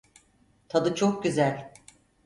Tadı çok güzel.